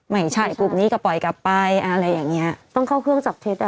ไม่ใช่กลุ่มนี้ก็ปล่อยกลับไปอะไรอย่างเงี้ยต้องเข้าเครื่องจับเท็จอ่ะ